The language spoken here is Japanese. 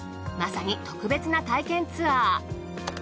まさに特別な体験ツアー。